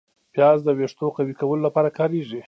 پیاز د ویښتو قوي کولو لپاره کارېږي